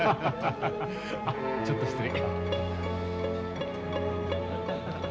あっちょっと失礼。